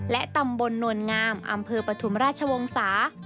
และตำบลนวลงามอำเภอปฐุมราชวงศา